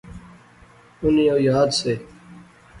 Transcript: انیں او یاد سے